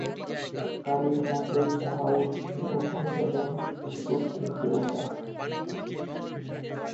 কালীর মতই তারাও ভীষণ উগ্র এবং রুদ্রস্বরূপা।